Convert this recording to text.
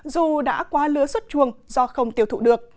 dù đã quá lứa xuất chuồng do không tiêu thụ được